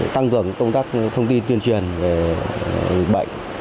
tăng cường công tác thông tin tuyên truyền về bệnh